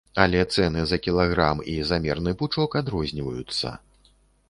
Але цэны за кілаграм і за мерны пучок адрозніваюцца.